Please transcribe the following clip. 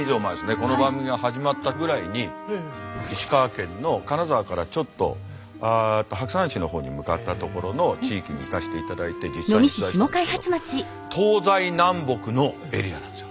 この番組が始まったぐらいに石川県の金沢からちょっと白山市の方に向かったところの地域に行かせていただいて実際に取材したんですけど東西南北のエリアなんですよ。